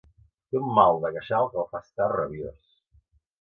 Té un mal de queixal que el fa estar rabiós.